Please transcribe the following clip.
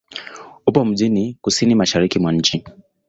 Upo mjini kusini-mashariki mwa nchi.